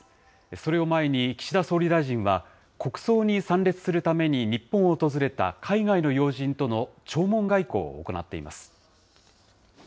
それを前に、岸田総理大臣は、国葬に参列するために日本を訪れた海外の要人との弔問外交を行っています。